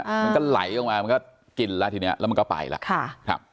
มันก็ไหลออกมามันก็กินแล้วทีนี้แล้วมันก็ไปแล้วค่ะครับ